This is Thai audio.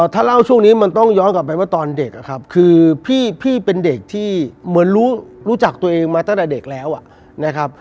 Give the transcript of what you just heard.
ถ้าเล่าช่วงนี้มันต้องย้อนกลับไปว่าตอนเด็กนะครับคือพี่เป็นเด็กที่เหมือนรู้จักตัวเองมาตั้งแต่เด็กแล้วนะครับ